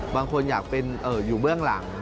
บางคนอยากเป็นอยู่เบื้องหลัง